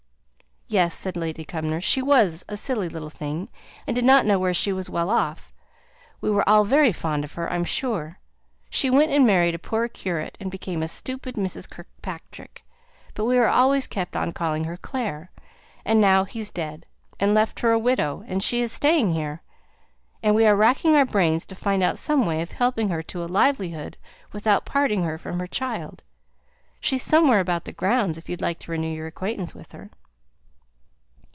"Yes!" said Lady Cumnor. "She was a silly little thing, and did not know when she was well off; we were all very fond of her, I'm sure. She went and married a poor curate, and became a stupid Mrs. Kirkpatrick; but we always kept on calling her 'Clare.' And now he's dead, and left her a widow, and she is staying here; and we are racking our brains to find out some way of helping her to a livelihood without parting her from her child. She's somewhere about the grounds, if you like to renew your acquaintance with her."